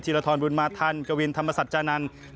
จีรทรรณ์บุญมาธรรมกวินธรรมสัจจานันต์